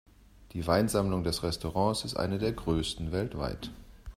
Die Weinsammlung des Restaurants ist eine der größten weltweit.